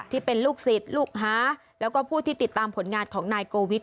ที่เป็นลูกศิษย์ลูกหาแล้วก็ผู้ที่ติดตามผลงานของนายโกวิท